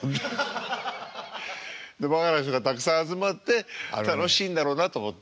バカな人がたくさん集まって楽しいんだろうなと思って。